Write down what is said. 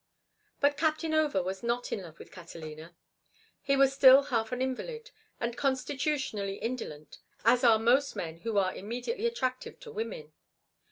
But Captain Over was not in love with Catalina. He was still half an invalid, and constitutionally indolent, as are most men who are immediately attractive to women.